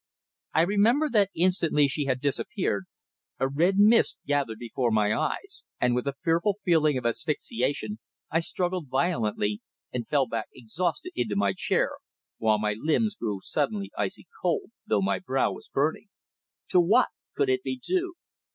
I remember that instantly she had disappeared a red mist gathered before my eyes, and with a fearful feeling of asphyxiation I struggled violently, and fell back exhausted into my chair, while my limbs grew suddenly icy cold, though my brow was burning. To what could it be due?